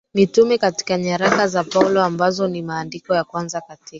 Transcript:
mitume Katika nyaraka za Paulo ambazo ni maandiko ya kwanza katika